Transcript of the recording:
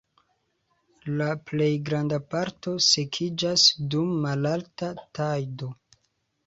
La plej granda parto sekiĝas dum malalta tajdo.